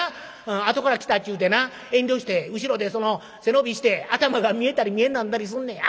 あとから来たっちゅうてな遠慮して後ろでその背伸びして頭が見えたり見えなんだりすんねや。